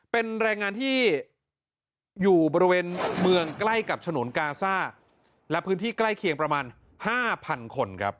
เป็นแรงงานที่อยู่บริเวณเมืองใกล้กับฉนวนกาซ่าและพื้นที่ใกล้เคียงประมาณ๕๐๐คนครับ